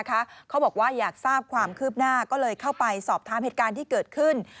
เขาบอกว่าอยากทราบความคืบหน้าก็เลยเข้าไปสอบถามเหตุการณ์ที่เกิดขึ้น